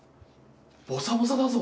ボサボサだぞ！